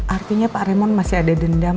artinya pak remon masih ada dendam